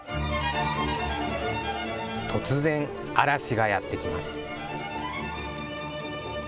突然、嵐がやって来ます。